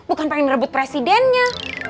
bukan pengen ngerebut presidennya